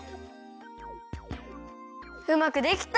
うまくできた！